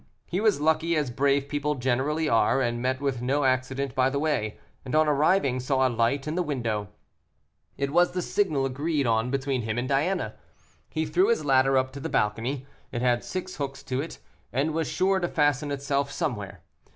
He was lucky, as brave people generally are, and met with no accident by the way, and on arriving saw a light in the windows. It was the signal agreed on between him and Diana. He threw his ladder up to the balcony, it had six hooks to it, and was sure to fasten itself somewhere.